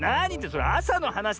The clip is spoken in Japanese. それあさのはなしでしょ？